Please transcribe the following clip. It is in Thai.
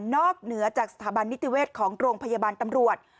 เหนือจากสถาบันนิติเวชของโรงพยาบาลตำรวจ